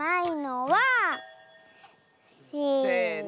せの。